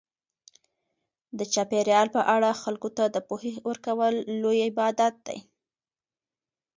د چاپیریال په اړه خلکو ته د پوهې ورکول لوی عبادت دی.